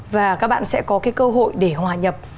và các bạn sẽ có cái cơ hội để hòa nhập